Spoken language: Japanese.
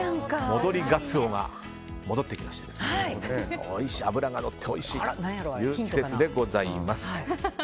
戻りガツオが戻ってきまして脂がのっておいしいという季節です。